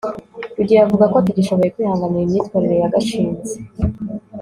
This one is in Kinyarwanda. rugeyo avuga ko atagishoboye kwihanganira imyitwarire ya gashinzi